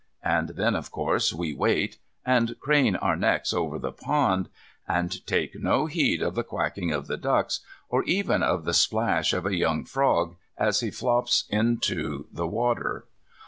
And then, of course, we wait, and crane our necks over the pond, and take no heed of the quacking of the ducks, or even of the splash of a young frog as he flops into into the water.